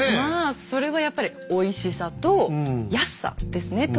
まあそれはやっぱりおいしさと安さですね。